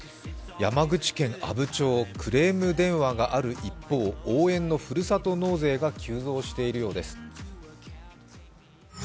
山口県阿武町、クレーム電話がある一方、応援のふるさと納税が急増しているようです。